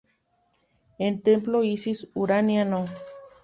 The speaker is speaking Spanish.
El Templo Isis-Urania No.